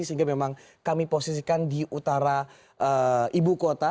sehingga memang kami posisikan di utara ibu kota